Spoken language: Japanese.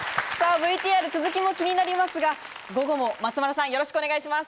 ＶＴＲの続きも気になりますが、午後も松丸さんお願いします。